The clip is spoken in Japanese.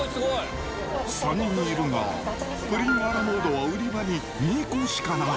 ３人いるが、プリンアラモードは売り場に２個しかない。